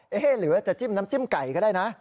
หรือว่าจะจิ้มน้ำจิ้มไก่ก็ได้นะ